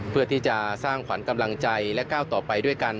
เพื่อที่จะสร้างขวัญกำลังใจและก้าวต่อไปด้วยกัน